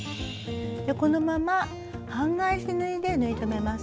このまま半返し縫いで縫い留めます。